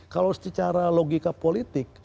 kalau secara logika politik